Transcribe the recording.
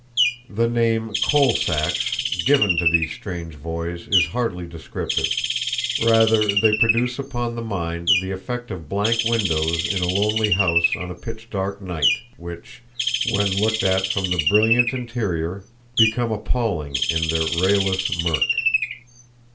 The name, "coal sacks," given to these strange voids is hardly descriptive. Rather they produce upon the mind the effect of blank windows in a lonely house on a pitch dark night, which, when looked at from the brilliant interior, become appalling in their rayless murk.